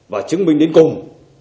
và chứng minh đến cùng